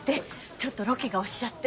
ちょっとロケが押しちゃって。